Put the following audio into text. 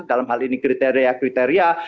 dalam hal ini kriteria kriteria